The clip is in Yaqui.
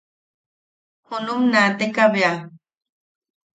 Junum naatekabea.